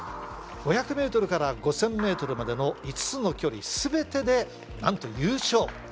５００ｍから５０００ｍまでの５つの距離全てでなんと優勝。